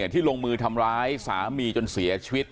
ที่ลงมือทำร้ายสามีจนเสียชีวิต